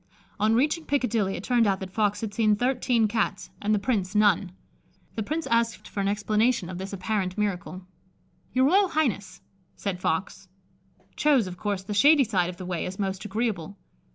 On reaching Piccadilly, it turned out that Fox had seen thirteen Cats and the Prince none. The Prince asked for an explanation of this apparent miracle. "Your Royal Highness," said Fox, "chose, of course, the shady side of the way as most agreeable.